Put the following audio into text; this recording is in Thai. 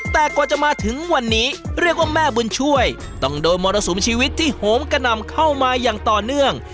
แต่กว่าจะมาถึงวันนี้เรียกว่าแม่บุญช่วยต้องโดนมรสุมชีวิตที่โหมกระหน่ำเข้ามาอย่างต่อเนื่อง